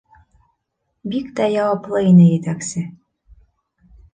Бик тә яуаплы ине етәксе.